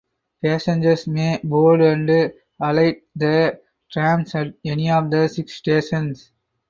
Passengers may board and alight the trams at any of the six stations.